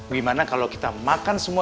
gimana kalau kita makan semua